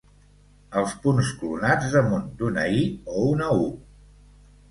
Els punts clonats damunt d'una i o una u.